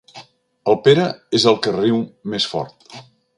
El Pere és el que riu més fort.